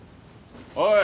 おい！